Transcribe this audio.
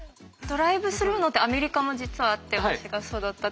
ドライブスルーのってアメリカも実はあって私が育った。